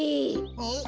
えっ？